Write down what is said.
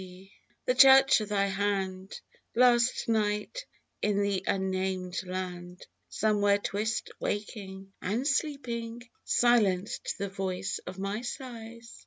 ...! the touch of thy hand Last night, in the unnamed land Somewhere 'twixt waking and sleeping, Silenced the voice of my sighs.